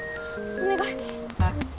お願い。